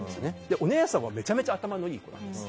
お姉さんはめちゃくちゃ頭のいい方です。